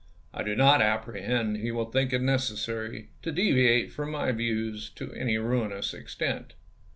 I do not apprehend he will think it necessary to deviate from my views to any ruinous extent.